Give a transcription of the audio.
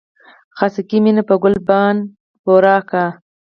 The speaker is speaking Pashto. خاصګي مينه په ګل باندې بورا کا